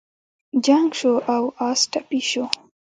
جنګ شو او اس ټپي شو.